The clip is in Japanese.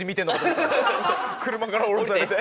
車から降ろされて。